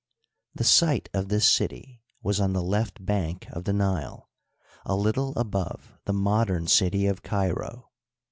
The site of this city was on the left bank of the Nile, a little above the modern city of Cairo.